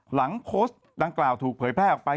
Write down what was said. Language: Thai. หลังโพสต์ดังกล่าวถูกเผยแพร่ออกไป